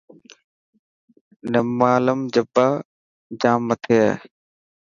نمالم جبا جام مٿي هي.